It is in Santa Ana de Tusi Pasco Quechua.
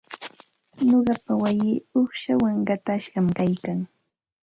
Nuqapa wayii uqshawan qatashqam kaykan.